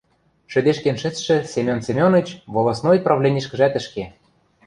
Шӹдешкен шӹцшӹ Семен Семеныч волостной правленишкӹжӓт ӹш ке.